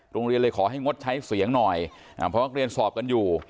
โรงเรียนเลยขอให้งดใช้เสียงหน่อยเพราะเรียนสอบกันอยู่